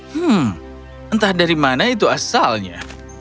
hmm entah dari mana itu asalnya